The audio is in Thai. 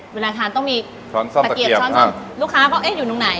เวลาทานต้องมีช้อนซ่อมตะเกียบลูกค้าก็อยู่ตรงไหน